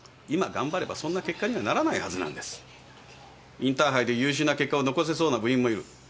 インターハイで優秀な結果を残せそうな部員もいる。